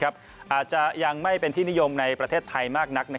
อาจจะยังไม่เป็นที่นิยมในประเทศไทยมากนัก